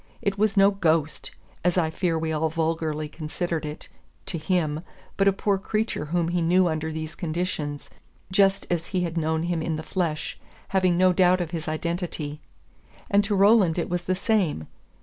It was no "ghost," as I fear we all vulgarly considered it, to him, but a poor creature whom he knew under these conditions, just as he had known him in the flesh, having no doubt of his identity. And to Roland it was the same.